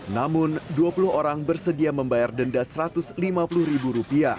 namun dua puluh orang bersedia membayar denda rp satu ratus lima puluh